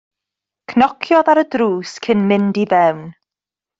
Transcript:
Cnociodd ar y drws cyn mynd i fewn.